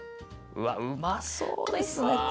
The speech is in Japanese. うわうまそうですね